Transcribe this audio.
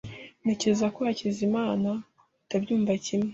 Ntekereza ko Hakizimana atabyumva kimwe.